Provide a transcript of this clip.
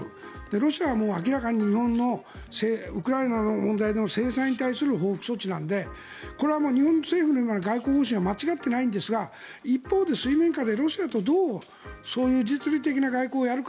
ロシアは明らかに日本のウクライナの問題の制裁に対する報復措置なのでこれは日本の政府の外交方針は間違っていないんですが一方で、水面下でロシアとどう、そういう実利的な外交をやるか。